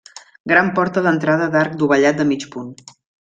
Gran porta d'entrada d'arc dovellat de mig punt.